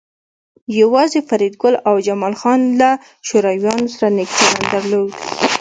یوازې فریدګل او جمال خان له شورویانو سره نیک چلند درلود